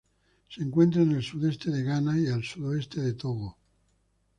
Se encuentra en el sudeste de Ghana y el sudoeste de Togo.